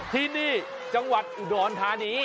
ถึงจังหวัดอูดราณทานี